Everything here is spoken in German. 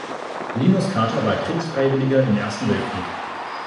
Linus Kather war Kriegsfreiwilliger im Ersten Weltkrieg.